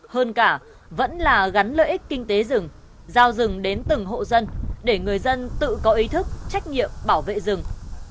hơn cả vẫn là gắn lợi ích kinh tế rừng giao rừng đến từng hộ dân để người dân tự có ý thức trách nhiệm bảo vệ rừng